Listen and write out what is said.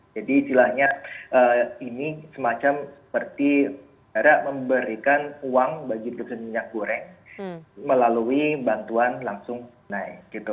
jadi istilahnya ini semacam seperti cara memberikan uang bagi produsen minyak goreng melalui bantuan langsung naik gitu